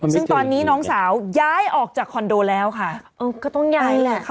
มีเสียงสัมภาษณ์นะเจ้าของคลิป